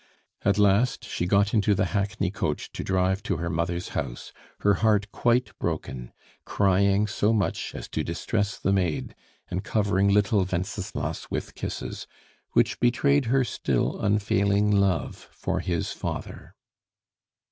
At last she got into the hackney coach to drive to her mother's house, her heart quite broken, crying so much as to distress the maid, and covering little Wenceslas with kisses, which betrayed her still unfailing love for his father.